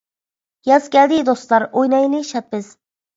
ياز كەلدى دوستلار، ئوينايلى شاد بىز.